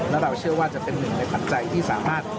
แล้วเราเชื่อว่าจะเป็นหนึ่งในปัจจัยที่สามารถ